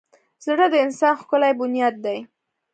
زړه د انسان ښکلی بنیاد دی.